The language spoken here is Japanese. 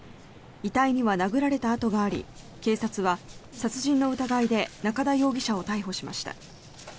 遺体には殴られた痕があり警察は殺人の疑いで中田容疑者を逮捕しました。